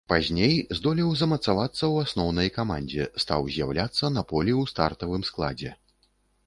Пазней здолеў замацавацца ў асноўнай камандзе, стаў з'яўляцца на полі ў стартавым складзе.